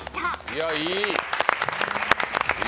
いや、いい。